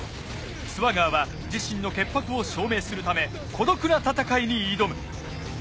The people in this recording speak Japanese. スワガーは自身の潔白を証明するため孤独な戦いに挑む。